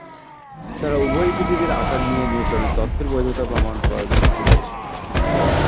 তারা উভয়ই পৃথিবীর আকার নিয়ে নিউটনের তত্ত্বের বৈধতা প্রমাণ করার চেষ্টা করেছিলেন।